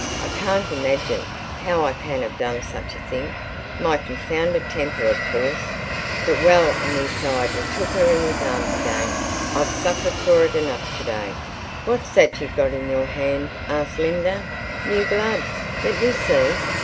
I can't imagine how I can have done such a thing. My confounded temper, of course. But—well"—and he sighed and took her in his arms again—"I've suffered for it enough to day." "What's that you've got in your hand?" asked Linda. "New gloves? Let me see."